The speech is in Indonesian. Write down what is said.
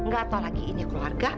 gak tahu lagi ini keluarga